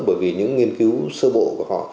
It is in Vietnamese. bởi vì những nghiên cứu sơ bộ của họ